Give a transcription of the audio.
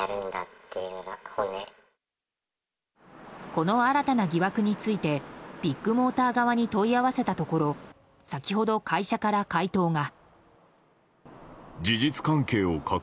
この新たな疑惑についてビッグモーター側に問い合わせたところ先ほど会社から回答が。